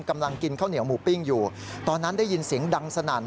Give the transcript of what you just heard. กำลังกินข้าวเหนียวหมูปิ้งอยู่ตอนนั้นได้ยินเสียงดังสนั่น